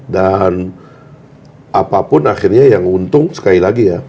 dan apapun akhirnya yang untung sekali lagi ya